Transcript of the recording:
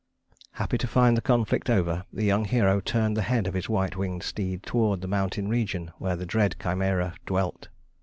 Happy to find the conflict over, the young hero turned the head of his white winged steed toward the mountain region where the dread Chimæra dwelt.